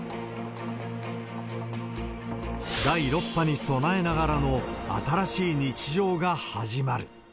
第６波に備えながらの新しい日常が始まる。